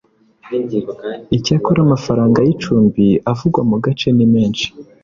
Icyakora amafaranga y icumbi avugwa mu gace ni menshi